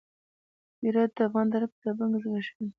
هرات د افغان تاریخ په کتابونو کې ذکر شوی دی.